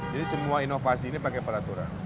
jadi semua inovasi ini pakai peraturan